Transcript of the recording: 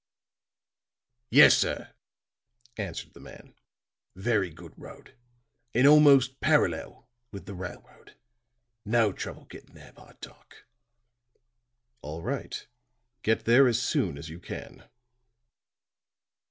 "Yes, sir," answered the man. "Very good road and almost parallel with the railroad. No trouble getting there by dark." "All right. Get there as soon as you can."